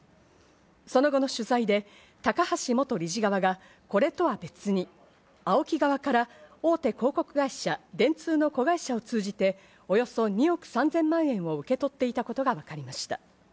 その後の取材で高橋元理事側がこれとは別に、ＡＯＫＩ側から大手広告会社・電通の子会社を通じて、およそ２億３０００万円を受け取っていたことがわかりました。